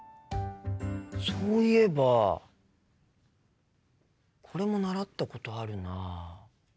そういえばこれも習ったことあるな。